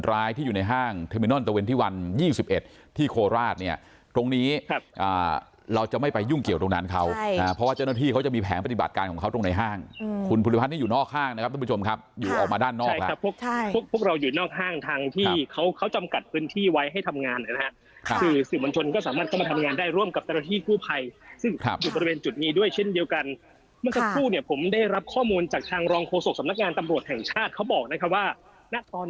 ห้างที่ด้านหน้าห้างที่ด้านหน้าห้างที่ด้านหน้าห้างที่ด้านหน้าห้างที่ด้านหน้าห้างที่ด้านหน้าห้างที่ด้านหน้าห้างที่ด้านหน้าห้างที่ด้านหน้าห้างที่ด้านหน้าห้างที่ด้านหน้าห้างที่ด้านหน้าห้างที่ด้านหน้าห้างที่ด้านหน้าห้างที่ด้านหน้าห้างที่ด้านหน้าห้างที่ด้านหน้าห้างที่ด้านหน้าห้างที่ด้านหน้าห้างที่ด้านหน้าห